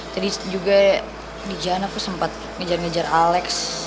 tadi juga di jalan aku sempet ngejar ngejar alex